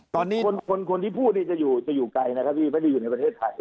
ตอนนี้คนที่พูดนี่จะอยู่ไกลนะครับพี่ไม่ได้อยู่ในประเทศไทย